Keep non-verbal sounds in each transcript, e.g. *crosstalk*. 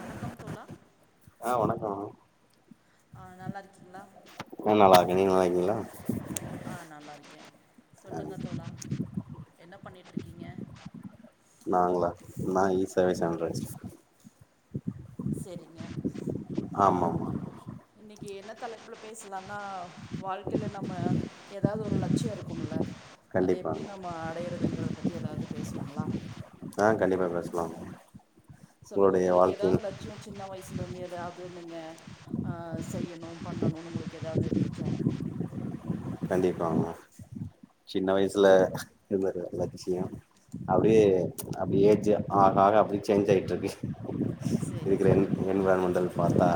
வணக்கம் தோழா அ வணக்கோ அ நல்லா இருக் நா நல்லா இருக்கே நீங்க நல்லா இருக்கீங்களா அ நல்லா இருக்கே ஆ சொல்லுங்க தோழா என்ன பண்ணிட்ருக்கீங்க நாங்களா நா இசர்வீஸ் பன்ரே செரிங்க ஆமா ஆமா இன்னைக்கி என்ன தலைப்புல பேசலானா வாழ்க்கைல நம்ம ஏதாது ஒரு ல ச்சியோ இருக்கும்ல அது எப்டி கண்டிப்பாங்க நம்ம அடையறதுங்கறத பத்தி ஏதாது பேசுவோங்களா அ சொல்லுங்க உங்களுக்கு ஏதாது லட்சியோ சின்ன வயசுல இருந்து எதாது *unintelligible* அ செய்யணு பண்ணணு உங்களுக்கு ஏதாது இருந்துச்சா கண்டிப்பாங்க சின்ன வயசுல இருந்தரு லட்சியோ அப்டியே அப்டி ஏஜ் ஆக ஆக அப்டியே சேஞ்ச் ஆயிட்டு இருக்கு சரி இருக்கிற என் சரிங்க என்விரான்மெண்டல் பாத்தா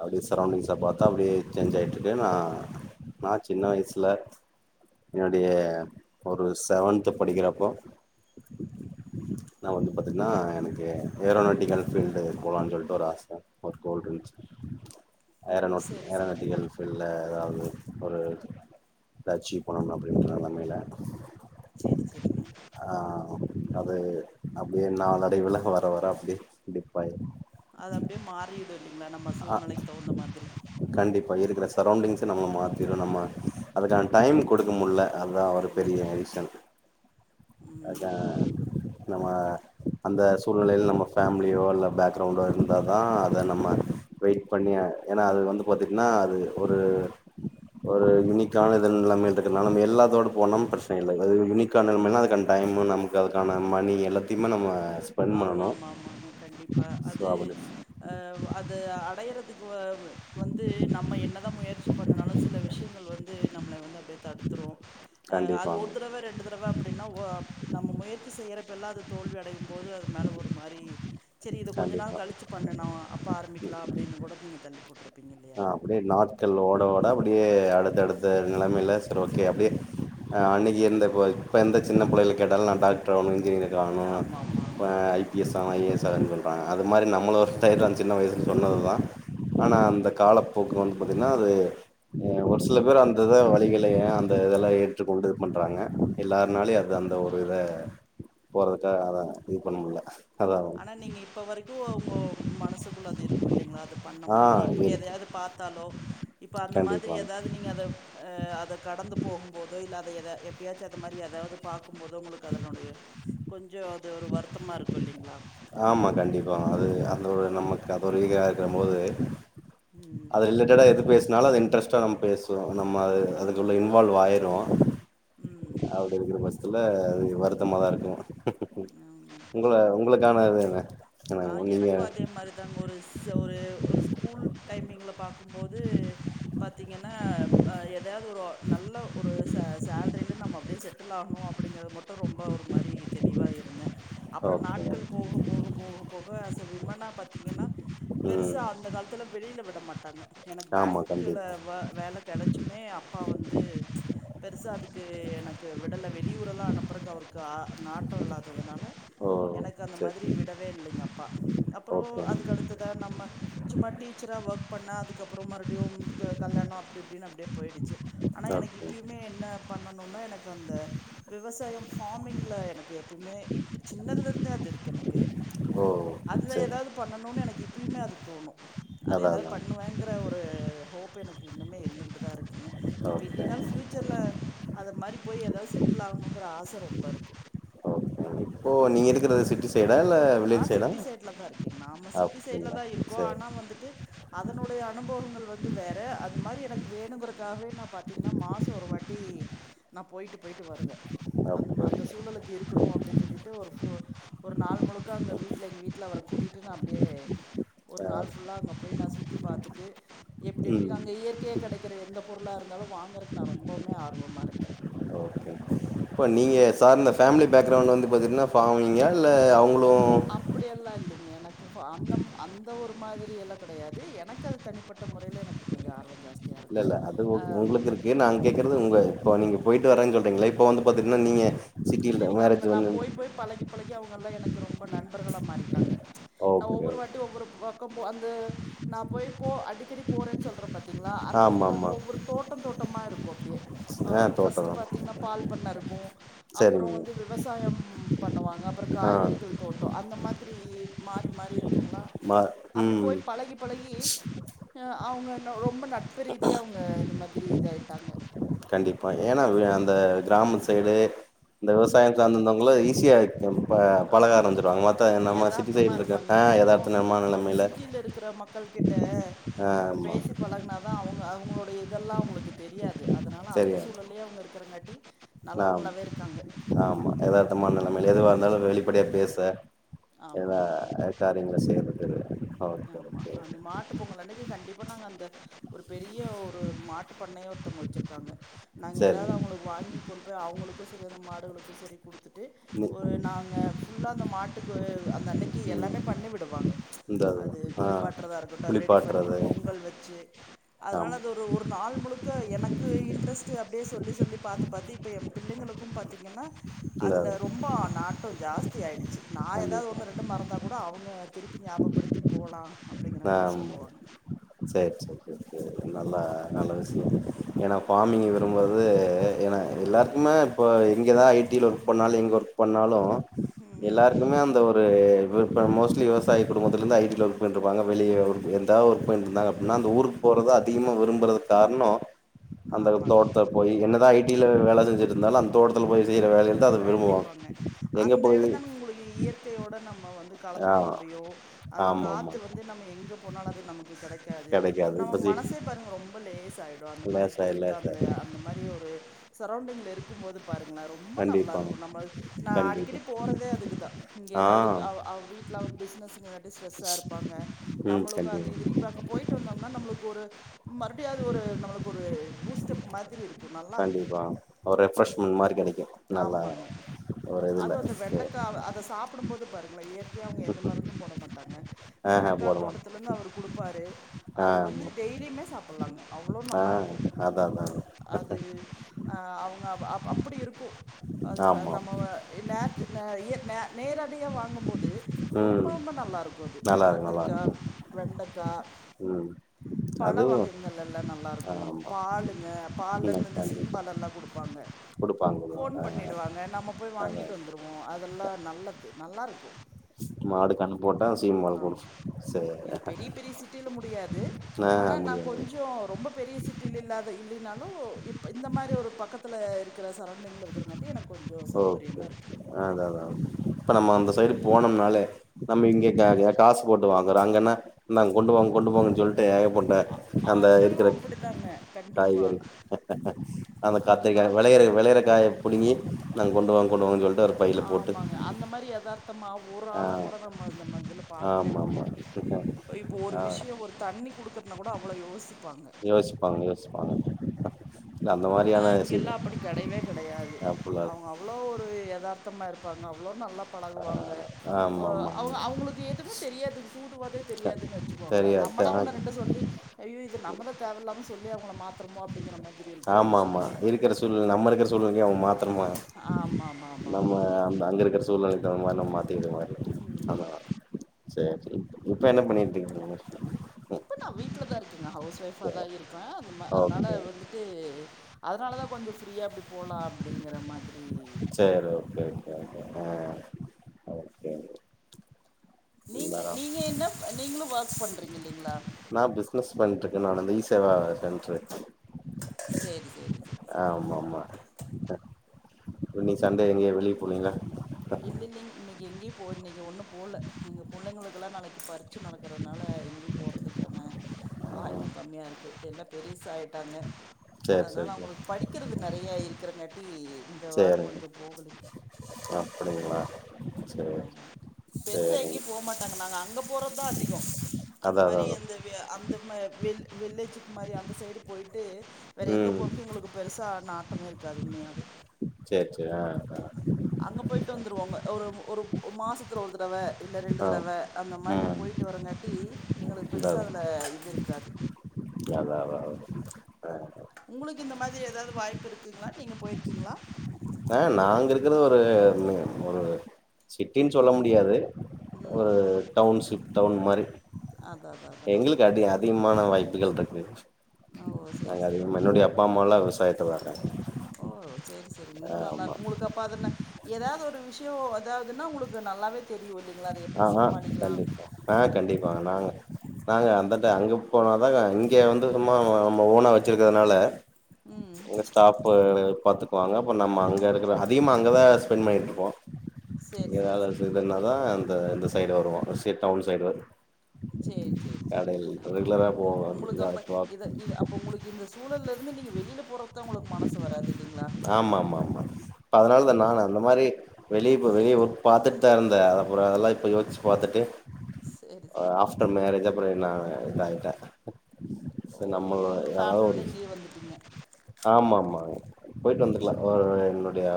அப்டியே சரௌண்டிங்ஸ பாத்தா அப்டியே சேஞ்ச் ஆயிட்டுருக்கு நா நா சின்ன வயசுல என்னுடைய ஒரு செவன்த் படிக்கிறப்போ நா வந்து பாத்தீங்கன்னா எனக்கு ஏரோனாட்டிக்கல் பபீல்டு போலானு சொல்லிட்டு ஒரு ஆச ஒரு கோல் ஓ ஏரோநாடி சரி சரி ஏரநட்டிகள் ஃபீல்டுல ஏதாது ஒரு அச்சீவ் போன அப்டின்னு ஒரு நம்மையில சரி சரிங்க அது அப்டியே நாலடைவுல வர வர டிப் ஆயரு அது அப்டியே மாறிடு இல்லங்களா நம்ம ஆ சூழ்நிலைக்கு தகுந்த மாதிரி கண்டிப்பா இருக்கிற சரௌண்டிங்ஸ நம்ம மாத்திரு நம்ம அதுக்கான டைம் கொடுக்க முல்ல அதுதா ஒரு பெரிய கண்டிப்பா எடிஷன் அதா ம் நம்ம அந்த சூழ்நிலையில நம்ம ஃபேமிலியோ அல்ல பேக்ரவுண்டோ இருந்தாதா அத நம்ம வெயிட் பண்ணிய ஏன்னா அது வந்து பாத்தீங்கன்னா அது ஒரு ஒரு யுனிக்கான இதன் நிலமை இரு நம எல்லாத்தோடு போனாலும் பிரச்சனை இல்லைிக்கான ந அக்கான டைம் நமக்கு அதுக்கான மணி எல்லத்துமே நம்ம ஸ்பெண்ட் ஆமா பண்ணணு ஆமா ஆமாங்க கண்டிப்பா சோ அது அப்படி அ அது அடையறதுக்கு வந்து நம்ம என்னதான் முயற்சி பண்ணனாலும் சில விஷயங்கள் வந்து நம்மளை வந்து அப்படி தடுத்துரும் அது கண்டிப்பாங்க ஒரு தடவ ரெண்டு தடவ அப்படின்னா நம்ம முயற்சி சி செய்யறப்பல்லா அது தோல்வி அடையும் போது அது மேல ஒரு மாரி சரி இதை கொஞ்ச நாள் கண்டிப்பா கழிச்ச பண்ணணு அப்போ ஆரம்பிக்கலா அப்படின்னு கூட நீங்க தள்ளி போட்ருப் ஆ அப்படியே நாட்கள் ஓட ஓட அப்படியே அடுத்த அடுத்த நிலைமைல்ல இல்ல சரி ஓகே அப்படியே அ அன்னைக்குந்த இப்ப எந்த சின்னிள்ளையை கேட்டாலும் நான் டாக்டர் ஆணும் இன்ஜினியர் ஆனும் ஆமா ஆமாங்க ஐபிஎஸ் ஆன ஐஏஎஸ் *unintelligible* அது மாரி நம்மள ஒரு டைத் சின்ன வயசு சொன்னதுதான் ஆனா அந்த காலப்போக்கும் பாத்தீங்கன்னா அது ஒரு சில பேர் அந்த வழிகளை அந்த இதெல்லாம் ஏற்றுக்கொண்டு விடுது பண்றாங்க எல்லாருனாலு அது அந்த ம் ஒரு இதை போகிறதுக்காக அதை இது பண்ண முல ஆனா நீங்க இப்ப வரைக்கும் உங்க மனசுக்குள்ள அது இருக்கும் இல்லைங்களா அது பண்ண ஆ முடியல இப்ப இருக்கு எதாயாவது பார்த்தாலோ இப்ப அந்த மாதிரி கண்டிப்பாங்க ஏதாவது நீங்க அத அத கட டந்து போகும்போதோ இல்லாத எத எப்பயாச்சும் அந்த மாதிரி ஏதாவது பார்க்கும் போதோ உங்களுக்கு அதனுடைய கொஞ்சம் அது ஒரு வருத்தமா இருக்கும் இல்லைங்களா ஆமா கண்டிப்பா அது அந்த நமக்கு *unintelligible* இருக்கும் போது ம். அது ரிலேட்டடா எது பேசினாலும் அது இன்ட்ரெஸ்ட்டா நம்ம பேசுவோம் இப்ப நம்ம அது அதான் அதுக்குள்ள அதான். இன்வால்வ் ஆயிரிடும் ம். *unintelligible* இருக்கிற த்துல அது வருத்தமா தான் இருக்கும் ம். உங்க ஆமாமா. இரு உங்களுக்கான இது என்ன ஆ எனக்கு நீங்க எனக்கும் அதே மாதிரிதாங்க ஒரு ஒரு ஒரு ஸ்கூல் டைமிங்ல பாக்கும்போது பார்த்தீங்கன்னா ஏதாவது ஒரு நல்ல ஒரு சேலரியில நம்ம அப்படியே செட்டில் ஆகணும் அப்படிங்கறது மட்டும் ரொம்ப ஒரு மாரி தெளிவா இருந்தே அப்புறம் ஓகே. நாட்கள் போக போக போக போக அ ச விமனா பாத்தீங்கன்னா ம். பெருசா அந்த காலத்துல வெளியில விட மாட்டாங்க எனக்கு ஆமா பேங்க் கில கண்டிப்பா. வே வேலை கிடச்சமே அப்பா வந்து பெருசா அதுக்கு எனக்கு விடல வெளியூர எல்லாம் அனுப்பறக்கு அவருக்கு நாட்டம் இல்லாததுனால ஓ எனக்கு அந்த மாதிரி சரி. விடவே இல்லைங்க அப்பா அப்புறோ ஓகேங்க. அதுக்கடுத்துதா நம்ம சும்மா டீச்சரா வெக் பண்ண அதுக்கப்புறம் மறுப்டியும் க கல்யாணோ அப்டி இப்டினு அப்டே போயிடுச்சு ஆனா எனக்கு ஓகே. இப்பியுமே என்ன அ பண்ணணுனா எனக்கு அந்த விவசாயம் ஃபாமிங்கில எனக்கு எப்பிய்மே இப் சின்னதுலருந்தே அதுருக் எனக்கு ஓ! அதுல சரி. எதாவ்து பண்ணணுனு எனக்கு இப்பியுமே அது தோணு அது அதான் எதாவ் அதான். பண்ணுவேங்கிற ஒரு ஹோப் எனக்கு இன்னுமே இருந்துகிட்டுதா இருக்குங்க இப்ப இல்லினாலு ஓகேங்க. ஃப்யூச்சர்ல அத மாரி போயி எதாவ் செட்டில் ஆ கனோங்குற ஆச ரொம்பருக்கு ஓ நீங்க இருக்கிற்து சிட்டி சைட் அ சிட்டி சைட்ல தா இருக்கேங் நாம சிட்டி சைட்ல அப்படிங்களா? தா இருக்கோ சரி. ஆனா வந்துட்டு அ அதனுடைய அனுபவங்கள் வந்து வேற அது மாரி எனக்கு வேணுங்குறக்காகவே நா பாத்திங்கனா மாசோ ஒரு வாட்டி நா போய்ட்டு போய்ட்டு வருவே அந்த ம ஓகே அந்த சூழலுக்கு இருக்கணு அப்டின் சொல்லிட்டு ஒரு ஃபு ஒரு நாள் முழுக் க அங்க வீட்ல எங் வீட்ல அவர கூட்டிட்டு நா அப்டியே ஒரு ஆ நாள் ஃபுல்லா அங்க போய் நா சுத்தி பாத்துட்டு எப்டி எப்டி ம் அங்க இயற்க்யே கெடைக்கிற எந்த பொருளா இருந் தாலு வாங்கறக் நா ரொம்பவுமே ஆர்வமாருப்பே ப்ப நீங்க சார்ந்த ஃபேமிலி பேக்ரவுண்ட் வந்து பாத்திட்னா ஃபாமிங்கா இல்ல அவுங் அப்படியெல்லா இல்லேங் எனக்கு ஃபா அந்த ம அந்த ஒரு மாதிரி எல்லா கெடயாது எனக்கு அது தனிப்பட்ட முறைல எனக்கு கொஞ்சோ ஆர்வோ ஜாஸ் இல்ல இல்ல அது ஓ உங்ளுக் இருக்கு நா கேக்குற்து உங்க இப்போ நீங்க போய்ட்டு வரேன் சொல் றீங்ளே இப்போ வந்து பாதிட்னா நீங்க இல்ல சிட்டில இல்லிங்க அவுங்க மேரேஜ் நா வந்து போய் போய் பழகி பழகி அவுங்கெல்லா எனக்கு ரொம்ப நண்பர்களா மாறிட்டாங்க நா ஓகே ஓகே ஒவ்வொரு வாட்டியு ஒவ்வொரு ப பக்கம் போ அந்த நா போய் போ அடிக்கடி போறேன் சொல் பாத்திங்களா அந்த இது ஆமா வந்து ஆமா ஒவ்வொரு தோட்டோ தோட்டமாருக்கு அப்டியே அ ஆ ஃபஸ்ட்டு தோட்டந்தா பாத்தீங்ன்னா பால் பண்ண ருக் கு அப்புறோ சரிங்க வந்து விவசாயம் பண்ணுவாங்க அப்புற ஆ காய்கறிகள் தோட்டோ அந்த மாதிரி மாறி மாறி இருக்குங்ளா ம அப்டி ம் போய் பழகி பழகி அ அவுங்க ந ரொம்ப நட்பு ரீதியா அவுங்க இந்த மாதிரி இதாயிட்டாங்க கண்டிப்பா ஏன்னா *unintelligible* அந்த க்ராம சைடு இந்த விவசாயம் சார்ந்திந்தவங்கள ஈஸியா இருக்கு இப்ப பழக ஆமா ஆரம்பிச்ர்வாங்க மத்த அவங்க நம்ம சிட்டி யதார்த்தமா சைட்லருக்க இருப்பாங்க அ ஏன்னா எதார்த்தனமான நெலமையில கிட்ட அ பேசி பழக்னா தா அவுங்க அவுங்ளுடைய இதெல்லா உங்ளுக் கு தெரியாது அதனால அந்த சரியா சூழல்லே அவுங்க இருக்கிறங்காட்டி நல்லவங்களாவே இருக்காங்க தம்மா நெலமை எதுவா இருந்தாலு வெளிப்படையா பேச ஆமா எல்லா ஆமாங்க எ காரியங்கள செய் *inaudible* ஆமா அந்த மாட்டு பொங்கல் அன்னைக்கு கண்டிப்பா நாங்க அந்த ஒரு பெரி ய ஒரு மாட்டு பண்ணையே ஒருத்தவ்ங்க வெச்சிருக்காங்க நாங்க எதாவ்து சரிங்க அவுங்களுக் வாங்கி கொண் ப்ப அவுங்களுக்கு செரி அந்த மாடுகளுக்கு செரி குடுத்துட்டு நீ டு ஒரு நாங்க ஃபுல்லா அந்த மாட்டுக்கு அந்தன்னைக்கு ம் எல்லாமே பண்ணி விடுவாங்க இந்த அது ஆ குளிப்பாட்றதா இருக்கட்டு அத ரெடி பண்ணி குளிப்பாட்டுறது பொங்கல் வெச்சு அதனால ஆமா அது ஒரு ஒரு நாள் முழுக்க எனக்கு இன்ட்ரெஸ்ட் அப்டே சொல்லி சொல்லி பாத்து பாத்து இப்ப எ பிள்ளைங்களுக்கு பாத்தீங்கன்னா இந்த அதுல ரொம்போ நாட்டோ ஜாஸ்தி ஆய்டுச்சி நா எதாவ்த் கண்டிப்பா ஒன்னு ரெண்டு மறந்தா கூட அவுங்க திருப்பி ஞாபப்படுத்தி ஆமா செரி செரி *inaudible* நல்லா நல்ல விஷியோ ஏன்னா ஃபாமிங் விரும்புறது எ ஏன்னா எல்லாருக்குமே இப்போ இங்கேதா ஐ டில ஒர்க் பண்ணாலு எங்க ஒர்க் பண்ணாலு ம் எல்லாருக்குமே அந்த ஒரு ஒரு இப்ப மோஸ்ட்லி விவசாய குடும்பத்துலிருந்து ஐ டில் ஒர்க் பண்ட்ருப்பாங்க வெளிய ஒர்க் எதாவ் ஒர்க் பண்ருந்தாங்க அப்டினா அந்த ஊருக் போறது அதிகமா விரும்புறதுக் கார்ணோ அந்த ஆமாங்க தோட்த்த போய் என்னதா ஐடில வேல செஞ்சுட்ருந்தாலு அந் தோட்டத்துல போய் செய்யற வேலையதா அத விரும்புவாங்க கண்டிப்பாங்க எங்க அந்த போய் எடந் தானனுங் உங்களை இயற்கையோட நம்ம வந்து ஆ கலந்துக்க முடி யு அந்த ஆமாமா காத்து வந்து நம்ம எங்க போனாலு அது நமக்கு கெடைக்காது நம்ம இப்ப சி மனசே பாருங்க ரொம்ப லேஸ்ஸாயிரு அந்த இல்ல மாரி சார் இல்ல போயிட்டு அந்த சார் அந்த மாரி ஒரு சரவ்ண்டிங்ல இருக்கும் போது பாருங்க ரொம்ப கண்டிப்பாங்க நல்லாருக்கு நம்ம நா கண்டிப்பா அடிக்கடி போறதே அதுக்குதா இங்கே ஆ ஏதாவது வீட்ல ஒரு பிசினஸ் ஸ்ட்ரெஸ்ஸா இருப்பாங்க ம் நம்மளுக்கு அது கண்டிப்பா இது இப்ப அங்க போய்ட்டு வந்தோம்னா நம்மளுக்கு ஒரு மறுபடியு அது ஒரு நம்மளுக்கு ஒரு பூஸ்டப் மாதிரி இருக்கு நல்லாருக்கு கண்டிப்பா ஒரு ரெஃப்ரெஷ்மெண்ட் மாரி கெடைக் ஆமாங்க அது அந்த சரி வெண்டைக்காவ் அத சாப்டும்போது பாருங்கள இயற்கையா அவங்க எந்த மருந்து போட மாட்டாங்க ஆஹ வெண்டைக்கா போட மாட்டோ தோட்டத்துலருந்து அவர் கொடுப்பாரு ஆ அது வந்து ஆமா டெய்லியுமே சாப்பலாங்க ஆ அதா அதா அது ஆ அவங்க அப் அப்படி இருக்கு அது ஃப்ர ஆமா நம்ம நேச்ச அ இய நே நேரடியா வாங்கும்போது ரொம்ப ம் ரொம்ப நல்லாருக்கு போது நல்லாருக்கு கத்திரிக்கா நல்லாருக்கு வெண்டைக்கா ம் பழ அதுவு வகைங்கள்லெல்லா நல்லாருக்கு ஆமா பாலுங்க ம் பால்லருந்து இந்த கண்டிப்பா சீம்பால் லல்லா குடுப்பாங்க குடுப்பாங்க போன் குடுப்பாங்க ஆ பண்ணிடுவாங்க நம்ம போய் அதா வாங்கிட்டு வந்துருவோ அதெல்லா நல்லது நல்லாருக்கு மாடு கண்ணு போட்டா சீம்பால் கொடு சா இது பெரிய பெரிய சிட்டில முடியாது ஆனா ஆ நா முடியாது கொஞ்ச ரொம்ப பெரிய சிட்டில்லாத இல்லலைனாலு இப் இந்த மாரி ஒரு பக்கத்தில இருக்கிற சரவ்ண்டிங் இருக்கிறங்காட்டி எனக் ஓகே அத அதா இப்ப நம்ம அந்த சைடு போனோம்னாலே நம்ம இங்க ம் க காசு போட்டு வாங்குறோ அங்கன்னா இந்தாங்க கொண்டு போங்க கொண்டு போங்கன்னு சொல் ஏகப்பட்ட அ அந்த அதெல்லா இருக்குற அப்டிதாங்க கண்டிப்பா காய்கறி அந்த கத்திரிக்கா அதெல்லா விளையற அப்டிதா வெளையற காய புடுங்கி நாங்க கொண்டு வா கொண்டு வாங்கன்னு சொல்ட்டு அவரு பையில போட்டு ஆமாங்க. அந்த மாரி எதார்த்தமா ஒரு ஆ ஆள கூட நம்ம நம்ம இதுல பாக்கவே ஆமா ஆமா முடியாது. இப்போ ஒரு ஆ விஷயம் ஒரு தண்ணி குடுக்குறதுனா கூட அவ்ளோ யோசிப்பாங்க. யோசிப்பாங்க யோசிப்பாங்க இல்ல அந்த ஆனா மாரியான இங்க சி எல்லா அப்டி கெடையவே கெடையாது ஆப்புல அவங்க அவ்ளோ ஒரு எதார்த் சுத்தமா இருப்பாங்க அவ்ளோ நல்லா ஆ பழகுவாங்க ஆமா ஆமா அவங்க அவங்களுக்கு எதுவுமே தெரியாது சூதுவாதே தெரியாதுன்னு வச்சுக்குவாங்களே சரியா நம்மலாம் த ஒண்ணு ரெண்டு சொல்லி ஐயோ இது நம்மத தேவையில்லாம சொல்லி அவங்கள மாத்திரமோ அப்டிங்கிற மாதிரி இரு ஆமா ஆமா இருக்கிற சூழ்நை நம்மக்கிற சூழ்நிலை அவன் மா நம்ம ஆமாமாமாமாங்க. அந்த அங்க இருக்கிற சூழ்நிலை தகுந்த மாரி நம்ம *unintelligible* ஆமா ம். சரி சரி இப்ப என்ன பண்ணிருக்கிங்க அதா சரி இருக்க அத அதனால ஓகே வந்துட்டு அதனாலதா கொஞ்ச ஃப்ரீயா அப்டி போகலா அப்படிங்கிற மாரி சரிஓகே ஓகே ஓகே அ ஆ *unintelligible* நீங்க மேடம் நீங்க என்ன நீங்களு ஒர்க் பண்றீங்க இல்லைங்களா நா பிசினஸ் பண்ருக்கே நானந்த ஈசேவா சென்ரு சரி சரி சரி, சரி. ஆமா ஆமா இ நீ சண்டை எங்கேயே வெளியே போனீங்களா இல்ல இல்லைங் இன்னைக்கு இங்க எங்கியு போ இன்னைக்கி ஒன்னு போல எங்க புள்ளைங்களுக்குலா நாளைக்கு பறிச்ச நடக்கிறதுனால எங்கேயு போகறதுக்கான ம் வாய்ப்பு கம்மியா இருக்கு எல்லா பெரீசாயிட்டாங்க சேரி அதனால சேரி சேரி அவங்களுக்கு படிக்கிறது நெறையா இருக்கிறங்காட்டி இந்த வார சேரிங்க கொஞ்ச போகல அப்டிங்களா சேரி ஆமா ஆமா பெருசா சேரிங்க எங்கேயு போக மாட்டாங்க நாங்க அங்க போறதா அதிக அந்த அதா அதா மாரி அதா எந்த ந்தவியா அம் வெள்ளேச்சிக்கு மாரி அந்த சைடு போய்ட்டு வேற எங்க ம் போருக்கு எங்களுக்கு பெருசா நா ஆட்டமே இருக்காது உண்மையாவே சரி சரி ஆ ஆ அங்க போயிட்டு வந்துருவாங்க ஒரு ஒரு மாசத்துல ஒரு தடவை இல்ல ரெண்டு ஆ தடவை அந்த மாதிரி ம் போய்டிட்டு வரங்காட்டி எங்களுக்கு அதா பெருசாக அதில இது இருக்காது அதா அதா ஆஹ் உங்களுக்கு இந்த மாதிரி ஏதாவது வாய்ப்பு இருக்குங்களா நீங்க போயிருக்கீங்களா ஆஹ் நாங்க இருக்கிறது ஒரு ஒரு சிட்டினி சொல்ல முடியாது ஒரு ம் டவுன்சிப் டவுன் மாரி அதா அதா அதாங்க எங்களுக்கு அடி மான வாய்ப்புகள் இருக்குது ஓ நாங்க சரி சரி அதிக என்னோடைய அப்பா அம்மா எல்லாம் விவசாயத்தலதா இருகாங்க செரி செரி இன்னும் நல்லா இருக்கும் உங்களுக்கு அப்பா அன ஏதாவது ஒரு விஷயம் அதாவதுன்னா உங்களுக்கு நல்லாவே தெரியு இல்லைங்களா அத எப்டி ஆஹ்ஹ சமாளிக்கலா கண்டிப்பா ஆஹ் கண்டிப்பாங்க நாங்க நாங்க அந்தட்ட அங்க போனாதான்ங்க இங்க வந்து சும்மா நம்ம ஓனா வச்சிருக்கிறதுனால ம் எங்க ஸ்டாப்பு பாத்து வாங்க நம்ம அங்க இருக்கிற அதிகமாக அங்கதான் ஸ்பெண்ட் பண்ணிட்டு இருக்கோம் சேரி சேரி ஏதாவது சேரிங்க இதுன்னா அந்த இந்த சைடு வருவோ டவுன் சைடு வரும் *unintelligible* சேர் சேர் செரிங்க ஆ ரெகுலரா போவோ உங்களுக்கு அப்போ இத இ அப்போ உங்களுக்கு இந்த சூழல்ல இருந்து நீங்க வெ வெளியில போறக்குதான் உங்களுக்கு மனசு வராது இல்லிங்களா ப்ப அதனால தானே நான் அந்த மாரி வெளிய ப்போ வெளிய ஒர்க் பாத்துட்டு தா இருந்த அப்புற அதெல்லா இப்ப யோச்சு பாத்துட்டு சேரி சேரி ஆஃப்டர் மேரேஜ் அப்புற என்ன நான் இதாயிட்டே ஓ நம்மள நீங்களு யாராவது ஃபேமிலியோட ஒரு இங்கேயே வந்துட்டீங்க ஆமா ஆமாங் போயிட்டு வந்துக்கலா சேரி ஒரு என்னுடைய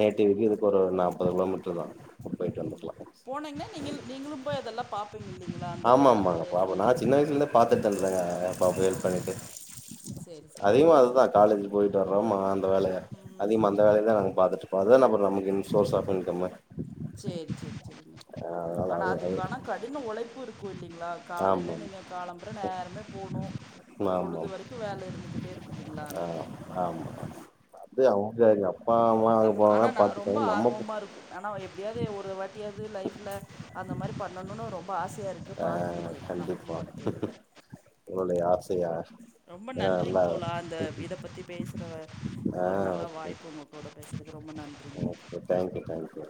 நேட்டிவுக்கு இதுக்கு ஒரு நாற்பது கிலோமீட்டர் தா போயிட்டு ம் வந்துக்கலா போனிங்கன்னா நீங்க நீங்களு போய் அதெல்லாம் பாப்பீங்க இல்லிங்களா அந்த அந்த வேலைங்கல்லா ல்ல பாத்துட்தா இருந்தங அப்ப அப்ப ஹெல்ப் பண்ணிட்டு சேரி சேரி அதிகமா சேரி அதுதா சேரி காலேஜ் போயிட்டு வந் ஆம்மா அந்த வேலைய அதிகம ம் அந்த வேலைய தான் நாங்க பாத்துட் மொதல் ஆஃபர் நமக்கு இன் சோர்ஸ் ஆஃப் இன்கம்மே சேரி சேரி சேரிங்க ஆனா அது அதுக்கான கடின உழைப்பு இருக்கு இல்லைங்ளா காலையில ஆமாம் நீங்க காலம்புற நேரமே போணு உம் ஆமா இல்லைங்களா ஆஹ ஆமா அப்டியே அவுங்க எங்க அப் அந்த ஆனா நா ரொம்ப ஆர்வமா இருக்கு ஆனா எப்படியாது ஒரு வாட்டியாது லைஃப்ல அந்த மாரி பண்ணணும்னு ரொம்ப ஆசைய ஆஹ் கண்டிப்பா உங்களுயைய ஆசையா ரொம்ப ஏன்னா நன்றிங் நல்லா தோழா அந்த இத பத்தி பேசுற ஆ ஒரு நல்ல வாய்ப்பு உங்க கூட பேசுன ரொம்ப நன்றிங்க தேங்க் யூ தேங்க் யூ